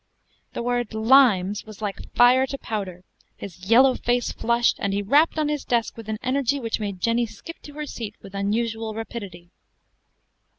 The word "limes" was like fire to powder: his yellow face flushed, and he rapped on his desk with an energy which made Jenny skip to her seat with unusual rapidity.